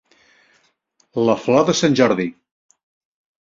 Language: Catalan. La flor de sant Jordi.